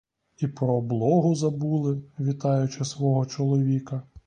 І про облогу забули, вітаючи свого чоловіка.